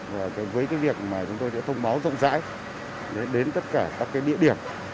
và với cái việc mà chúng tôi sẽ thông báo rộng rãi đến tất cả các cái địa điểm